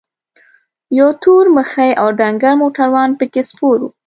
یو تور مخی او ډنګر موټروان پکې سپور و.